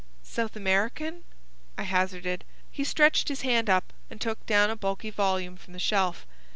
"South American," I hazarded. He stretched his hand up, and took down a bulky volume from the shelf.